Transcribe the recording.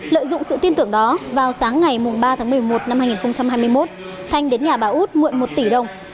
lợi dụng sự tin tưởng đó vào sáng ngày ba tháng một mươi một năm hai nghìn hai mươi một thanh đến nhà bà út mượn một tỷ đồng